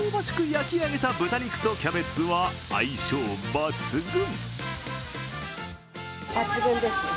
焼き上げた豚肉とキャベツは相性抜群。